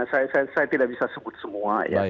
saya tidak bisa sebut semua ya